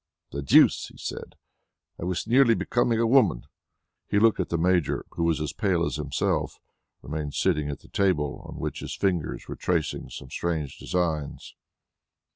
"The deuce!" he said, "I was nearly becoming a woman." He looked at the Major, who as pale as himself, remained sitting at the table, on which his fingers were tracing strange designs.